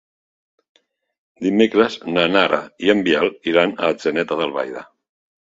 Dimecres na Nara i en Biel iran a Atzeneta d'Albaida.